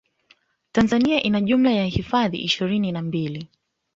tanzania ina jumla ya hifadhi ishirini na mbili